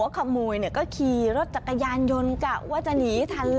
ขโมยขนาดนี้คัน